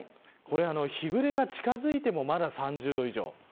日暮れが近づいてもまだ３０度以上。